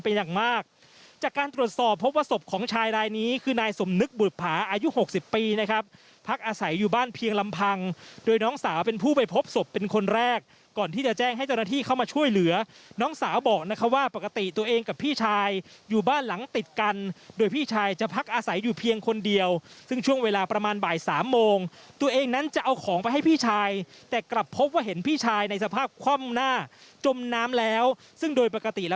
เพราะฉะนั้นตอนนี้ก็จะส่งผลกับด้านล่างเพราะฉะนั้นตอนนี้ก็จะส่งผลกับด้านล่างเพราะฉะนั้นตอนนี้ก็จะส่งผลกับด้านล่างเพราะฉะนั้นตอนนี้ก็จะส่งผลกับด้านล่างเพราะฉะนั้นตอนนี้ก็จะส่งผลกับด้านล่างเพราะฉะนั้นตอนนี้ก็จะส่งผลกับด้านล่างเพราะฉะนั้นตอนนี้ก็จะส่งผลกับด้านล่างเพราะฉะนั้นตอน